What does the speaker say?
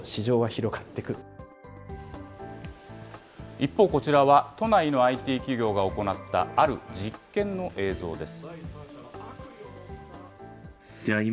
一方、こちらは都内のＩＴ企業が行ったある実験の映像です。